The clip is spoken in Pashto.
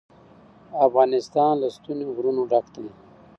افغانستان له ستوني غرونه ډک دی.